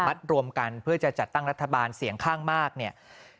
รวมกันเพื่อจะจัดตั้งรัฐบาลเสียงข้างมากเนี่ย